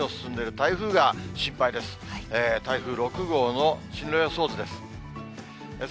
台風６号の進路予想図です。